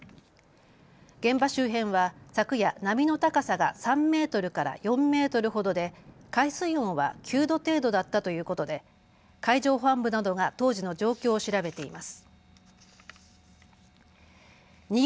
現場周辺は昨夜、波の高さが３メートルから４メートルほどで海水温は９度程度だったということで海上保安部などが当時の状況を調べています。